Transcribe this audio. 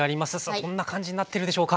どんな感じになってるでしょうか？